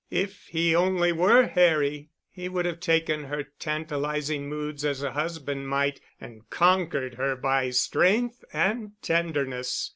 If he only were Harry! He would have taken her tantalizing moods as a husband might and conquered her by strength and tenderness.